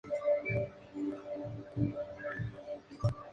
Los dos efectos se contrarrestan.